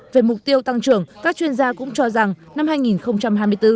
về mục tiêu tăng trưởng các chuyên gia cũng cho rằng năm hai nghìn hai mươi bốn